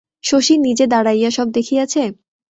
শশী নিজে দাড়াইয়া সব দেখিয়াছে?